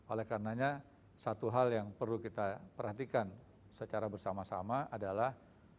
oleh karenanya satu hal yang perlu kita perhatikan secara bersama sama adalah